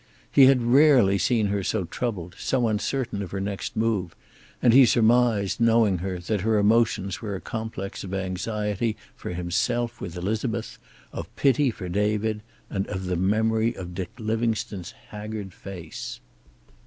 He had rarely seen her so troubled, so uncertain of her next move, and he surmised, knowing her, that her emotions were a complex of anxiety for himself with Elizabeth, of pity for David, and of the memory of Dick Livingstone's haggard face.